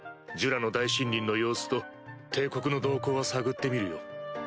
ジュラの大森林の様子と帝国の動向は探ってみるよ。